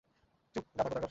চুপ, গাধা কোথাকার!